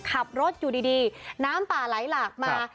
ขับรถอยู่ดีน้ำป่าไหลหลากมา